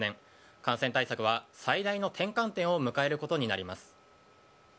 感染対策は最大の転換点を迎えることになります。